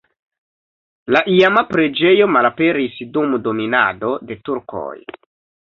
La iama preĝejo malaperis dum dominado de turkoj.